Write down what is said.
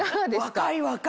若い若い！